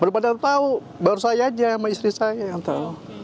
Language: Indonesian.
baru pada tahu baru saya aja sama istri saya yang tahu